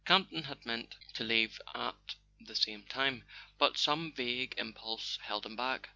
Camp ton had meant to leave at the same time; but some vague impulse held him back.